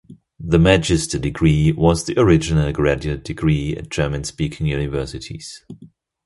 The Magister degree was the original graduate degree at German speaking universities.